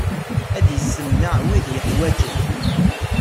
Ad yessemneɛ wid yuḥwaǧen.